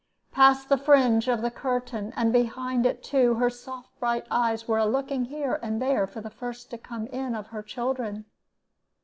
Past the fringe of the curtain, and behind it too, her soft bright eyes were a looking here and there for the first to come in of her children.